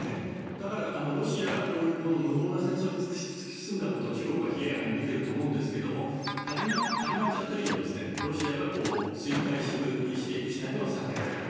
だから、ロシアがこういう無謀な戦争に突き進んだことに中国は冷ややかに見てると思いますが、始まった以上ロシアが衰退していくシナリオは避けたいと。